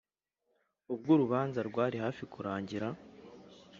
ubwo urubanza rwari hafi kurangira,